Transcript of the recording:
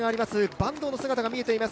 坂東の姿が見えています。